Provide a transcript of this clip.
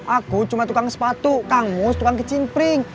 aku cuma tukang sepatu kang mus tukang kecinpring